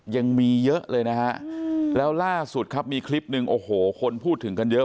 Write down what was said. ยังมีเยอะเลยนะฮะแล้วล่าสุดครับมีคลิปหนึ่งโอ้โหคนพูดถึงกันเยอะ